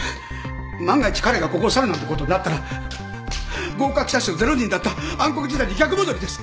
万が一彼がここを去るなんてことになったら合格者数０人だった暗黒時代に逆戻りです。